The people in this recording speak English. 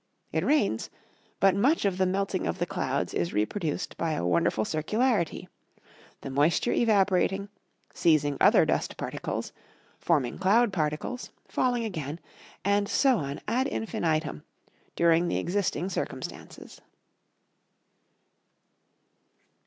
It rains, but much of the melting of the clouds is reproduced by a wonderful circularity the moisture evaporating, seizing other dust particles, forming cloud particles, falling again, and so on ad infinitum, during the existing circumstances.